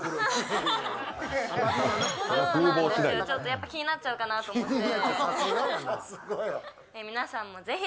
やっぱり気になっちゃうかなと思って。